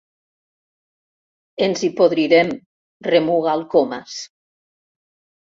Ens hi podrirem —remuga el Comas.